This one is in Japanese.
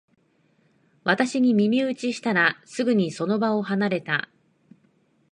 私に耳打ちしたら、すぐにその場を離れた